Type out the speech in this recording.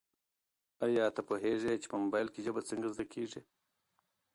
ایا ته پوهېږې چي په موبایل کي ژبه څنګه زده کیږي؟